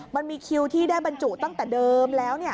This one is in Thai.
มันมีคิวที่ได้บรรจุตั้งแต่เดิมแล้ว